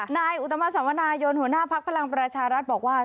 อุตมาสวนายนหัวหน้าภักดิ์พลังประชารัฐบอกว่า